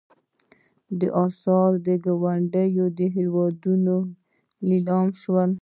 دا اثار ګاونډیو هېوادونو کې لیلام شول.